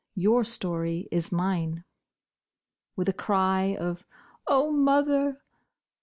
Your story is mine." With a cry of "Oh, mother!"